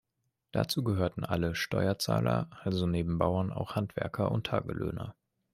Dazu gehörten alle „Steuerzahler“, also neben Bauern auch Handwerker und Tagelöhner.